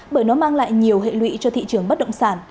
bởi nó mang lại nhiều hệ lụy cho thị trường bất động sản